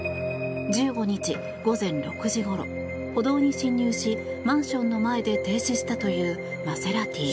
１５日午前６時ごろ歩道に進入しマンションの前で停止したというマセラティ。